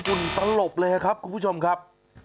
ุ่นตลบเลยครับคุณผู้ชมครับ